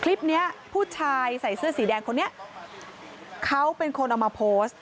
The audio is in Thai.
ผู้ชายใส่เสื้อสีแดงคนนี้เขาเป็นคนเอามาโพสต์